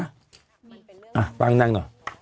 อ่ะฟังนั่งหน่อย